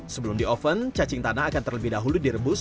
sebelum di oven cacing tanah akan terlebih dahulu direbus